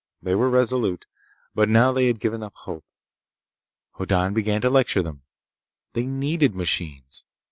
They were resolute. But now they had given up hope. Hoddan began to lecture them. They needed machines.